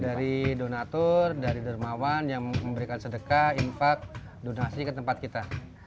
dari donatur dari dermawan yang memberikan sedekah infak donasi ke tempat kita